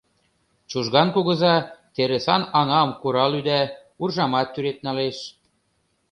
Чужган кугыза терысан аҥам курал-ӱда, уржамат тӱред налеш.